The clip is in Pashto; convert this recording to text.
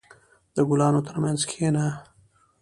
• د ګلانو ترمنځ کښېنه.